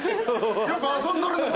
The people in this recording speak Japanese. よく遊んどるのか？